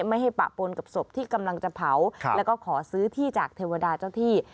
ไม่ให้ปะปนกับศพที่กำลังจะเผาแล้วก็ขอซื้อที่จากเทวดาเจ้าที่